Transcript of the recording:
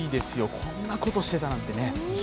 こんなことしてたなんてね。